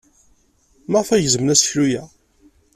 Maɣef ay gezmen aseklu-a?